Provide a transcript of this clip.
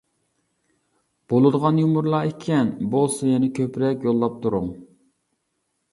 بولىدىغان يۇمۇرلار ئىكەن، بولسا يەنە كۆپرەك يوللاپ تۇرۇڭ!